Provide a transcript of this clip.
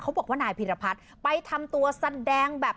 บอกว่านายพีรพัฒน์ไปทำตัวแสดงแบบ